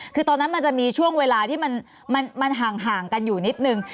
คือตอนนั้นมันจะมีช่วงเวลาที่มันห่างกันอยู่นิดนึง